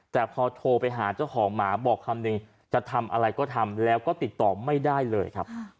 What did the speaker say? แต่พอโทรไปหาเจ้าของหมาบอกคำนึงจะทำอะไรก็ทำแล้วก็ติดต่อไม่ได้เลยครับ